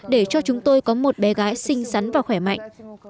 để cho chúng tôi có một bé gái xinh xắn và khỏe mạnh